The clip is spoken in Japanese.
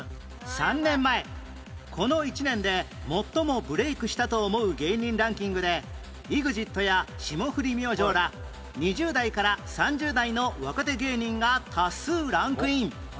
３年前この１年で最もブレイクしたと思う芸人ランキングで ＥＸＩＴ や霜降り明星ら２０代から３０代の若手芸人が多数ランクイン